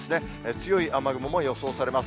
強い雨雲も予想されます。